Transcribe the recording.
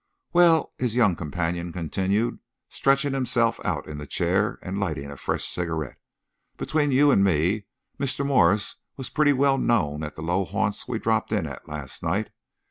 "Well," his young companion continued, stretching himself out in the chair and lighting a fresh cigarette, "between you and me, Mr. Morse was pretty well known at the low haunts we dropped in at last night.